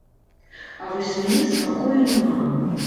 А вось мне спакою няма.